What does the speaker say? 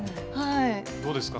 どうですか？